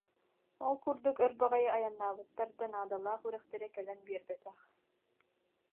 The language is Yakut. Ол курдук өр баҕайы айаннаабыттар да, наадалаах үрэхтэрэ кэлэн биэрбэтэх